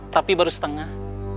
tapi baru setengah